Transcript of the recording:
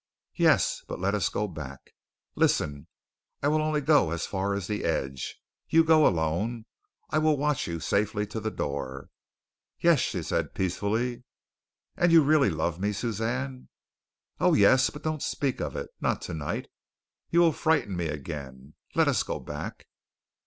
"Yes, but let us go back." "Listen. I will only go as far as the edge. You go alone. I will watch you safely to the door." "Yes," she said peacefully. "And you really love me, Suzanne?" "Oh, yes, but don't speak of it. Not tonight. You will frighten me again. Let us go back."